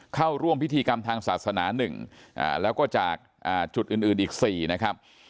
เข้าร่วมพิธีกรรมทางศาสนา๑แล้วก็จากจุดอื่นอีก๔นะครับ